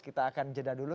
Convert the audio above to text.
kita akan jeda dulu